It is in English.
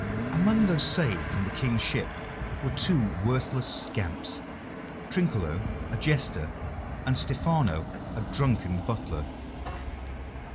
Among those saved from the King's ship were two worthless scamps Trinculo, a jester, and Stephano, a drunken butler.